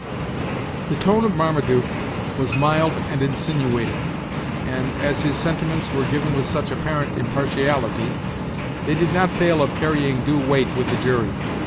The tone of Marmaduke was mild and insinuating, and, as his sentiments were given with such apparent impartiality, they did not fail of carrying due weight with the jury.